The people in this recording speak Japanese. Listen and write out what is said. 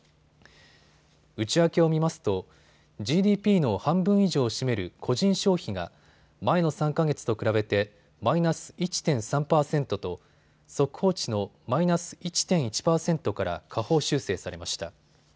内訳を見ますとＧＤＰの半分以上を占める個人消費が前の３か月と比べてマイナス１．３％と速報値のマイナス１．１％から下方修正されました。